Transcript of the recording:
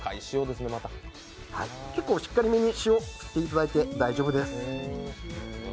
結構しっかりめに塩を振っていただいて大丈夫です。